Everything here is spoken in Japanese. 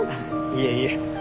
いえいえ。